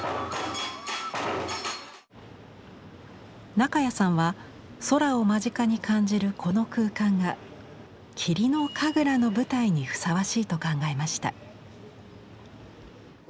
中谷さんは空を間近に感じるこの空間が霧の神楽の舞台にふさわしいと考えました。